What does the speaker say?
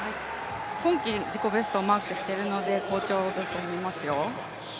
今季自己ベストをマークしているので好調だと思いますよ。